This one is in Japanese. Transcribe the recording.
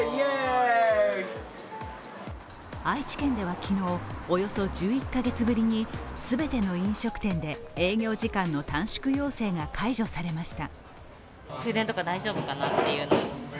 愛知県では昨日、およそ１１カ月ぶりに全ての飲食店で営業時間の短縮要請が解除されました。